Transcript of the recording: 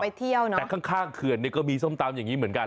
ไปเที่ยวเนอะแต่ข้างเคือนก็มีสมตำอย่างนี้เหมือนกัน